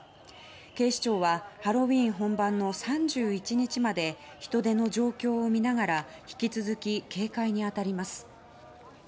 警視庁はハロウィーン本番の３１日まで人出の状況を見ながら引き続き警戒に当たります。